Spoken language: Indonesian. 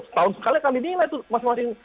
setahun sekali akan dinilai tuh masing masing